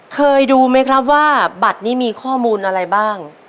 เคยดูไหมครับว่าบัตรนี้มีข้อมูลอะไรบ้าง